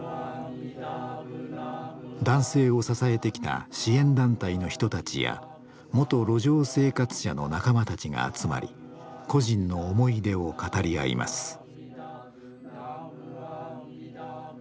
男性を支えてきた支援団体の人たちや元路上生活者の仲間たちが集まり故人の思い出を語り合います。